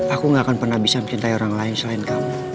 aku gak akan pernah bisa mencintai orang lain selain kamu